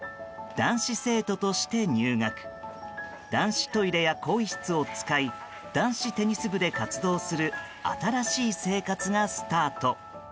男子トイレや更衣室を使い男子テニス部で活動する新しい生活がスタート。